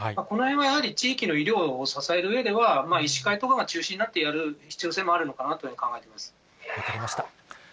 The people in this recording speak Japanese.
このへんはやはり、地域の医療を支えるうえでは、医師会とかが中心になってやる必要性もあるのかなというふうに考分かりました。